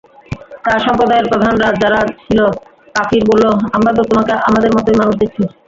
তার সম্প্রদায়ের প্রধানরা যারা ছিল কাফির-বলল, আমরা তো তোমাকে আমাদের মতই মানুষ দেখছি।